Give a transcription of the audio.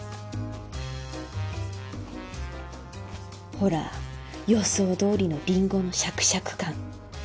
ほら予想どおりのリンゴのシャクシャク感。